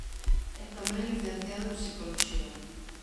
É tamén licenciado en Psicoloxía.